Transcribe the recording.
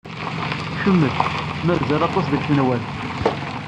Ččemt. Mazal aṭas deg tenwalt.